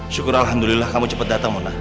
syukur alhamdulillah kamu cepat datang mona